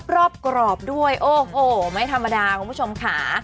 รอบกรอบด้วยโอ้โหไม่ธรรมดาคุณผู้ชมค่ะ